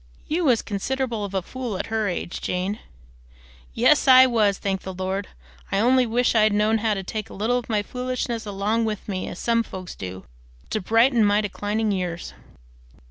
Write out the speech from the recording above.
"You was considerable of a fool at her age, Jane." "Yes, I was, thank the Lord! I only wish I'd known how to take a little of my foolishness along with me, as some folks do, to brighten my declining years."